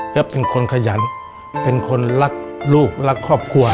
และเป็นคนขยันเป็นคนรักลูกรักครอบครัว